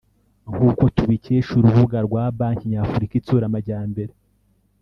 nk’uko tubikesha urubuga rwa Banki nyafurika itsura amajyambere